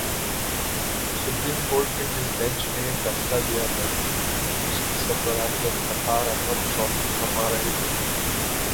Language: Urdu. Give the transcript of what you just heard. سپریم کورٹ کے جس بینچ نے یہ فیصلہ دیا تھا، اس کی سربراہی افتخار محمد چودھری فرما رہے تھے۔